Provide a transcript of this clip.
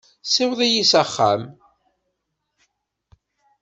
Ssiweḍ-iyi s axxam.